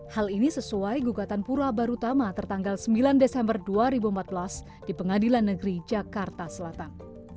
hal ini sesuai gugatan pura barutama tertanggal sembilan desember dua ribu empat belas di pengadilan negeri jakarta selatan